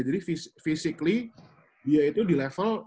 jadi fisiknya dia itu di level